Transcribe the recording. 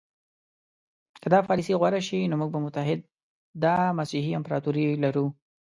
که دا پالیسي غوره شي نو موږ به متحده مسیحي امپراطوري لرو.